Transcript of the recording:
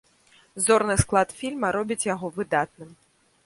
Зорны склад фільма робіць яго выдатным.